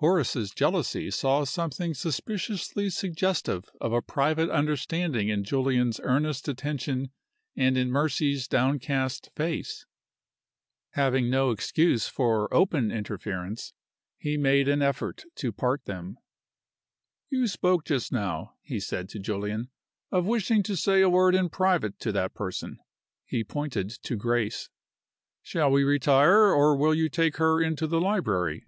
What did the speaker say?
Horace's jealousy saw something suspiciously suggestive of a private understanding in Julian's earnest attention and in Mercy's downcast face. Having no excuse for open interference, he made an effort to part them. "You spoke just now," he said to Julian, "of wishing to say a word in private to that person." (He pointed to Grace.) "Shall we retire, or will you take her into the library?"